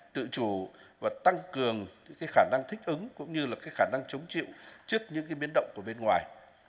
tự chủ và tăng cường khả năng thích ứng cũng như là khả năng chống chịu trước những biến động của bên ngoài